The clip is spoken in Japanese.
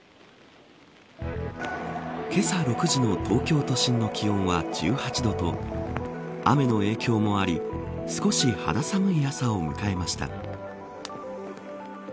けさ６時の東京都心の気温は１８度と雨の影響もあり少し肌寒い朝を迎えました。